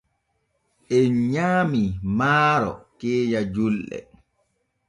En nyaamii maaro keenya julɗe.